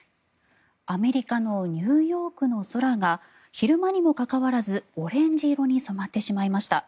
アメリカのニューヨークの空が昼間にもかかわらずオレンジ色に染まってしまいました。